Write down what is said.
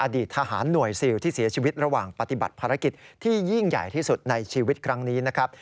อดีตทหารหน่วยซิลที่เสียชีวิตระหว่างปฏิบัติภารกิจที่ยิ่งใหญ่ที่สุดในชีวิตครั้งนี้นะครับ